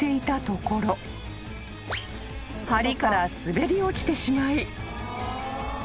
［梁から滑り落ちてしまい］